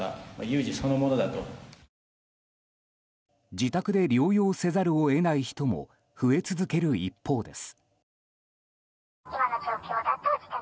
自宅で療養せざるを得ない人も増え続ける一方です。